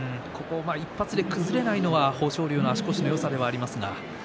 １発で崩れないのが豊昇龍の足腰のよさではありますが。